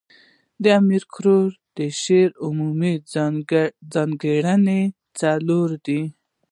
د امیر کروړ د شعر عمومي ځانګړني څلور دي.